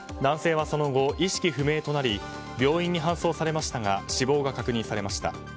男性はその後、意識不明となり病院に搬送されましたが死亡が確認されました。